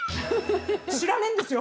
知らねえんですよ。